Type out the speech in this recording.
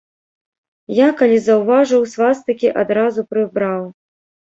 Я, калі заўважыў, свастыкі адразу прыбраў.